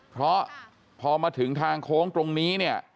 เพราะพอมาถึงทางโค้งตรงนี้เนี่ย